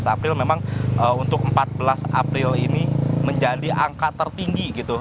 tujuh belas april memang untuk empat belas april ini menjadi angka tertinggi gitu